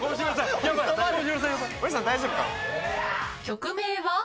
曲名は？